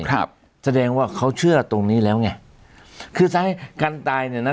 ครับแสดงว่าเขาเชื่อตรงนี้แล้วไงคือสาเหตุการตายเนี่ยนะ